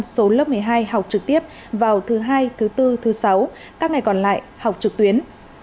số lớp một mươi hai học trực tiếp vào thứ hai thứ bốn thứ sáu các ngày còn lại học trực tuyến